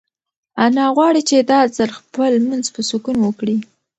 انا غواړي چې دا ځل خپل لمونځ په سکون وکړي.